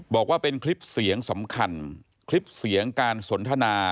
บอกว่าเป็นคลิปเสียงสำคัญคลิปเสียงการสนทนา